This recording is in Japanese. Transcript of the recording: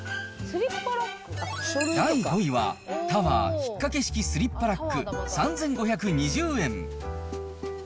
第５位は、タワー引っ掛け式スリッパラック３５２０円。